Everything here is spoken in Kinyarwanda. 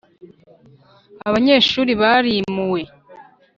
Abanyeshuri barimuwe.